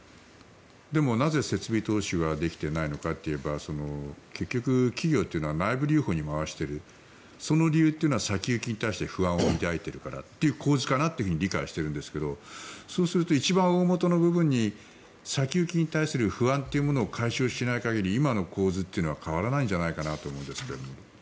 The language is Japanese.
でも、なぜ設備投資ができていないのかといえば結局、企業というのは内部留保に回しているその理由というのは先行きに対して不安を抱いているからという構図かなと理解しているんですがそうすると一番大本の部分の先行きに対する不安というものを解消しない限り今の構図というのは変わらないのかなと思うんですが。